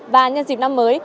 và nhân dịp năm mới